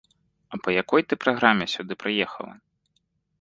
А па якой ты праграме сюды прыехала?